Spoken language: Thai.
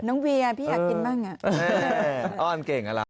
น้องพี่อ่ะพี่อยากกินบ้างอ่ะเอออ้อนเก่งอ่ะล่ะ